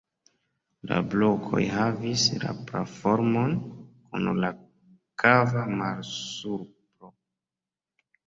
La blokoj havis la pra-formon, kun la kava malsupro.